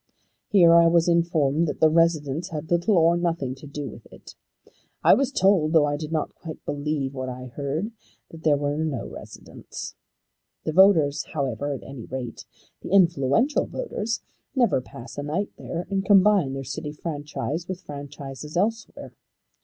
Here I was informed that the residents had little or nothing to do with it. I was told, though I did not quite believe what I heard, that there were no residents. The voters however, at any rate the influential voters, never pass a night there, and combine their city franchise with franchises elsewhere.